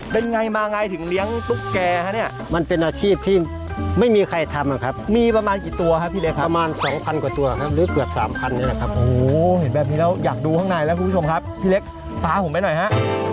เป็นไงมาไงถึงเลี้ยงตุ๊กแกฮะเนี่ยมันเป็นอาชีพที่ไม่มีใครทำอะครับมีประมาณกี่ตัวครับพี่เล็กครับประมาณสองพันกว่าตัวครับหรือเกือบสามพันเนี่ยนะครับโอ้โหเห็นแบบนี้แล้วอยากดูข้างในแล้วคุณผู้ชมครับพี่เล็กพาผมไปหน่อยฮะ